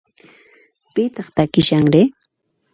Pitaq takishanri?